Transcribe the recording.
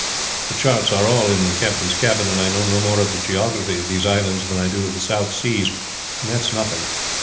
The charts are all in the captain's cabin; and I know no more of the geography of these islands than I do of the South Seas, and that's nothing.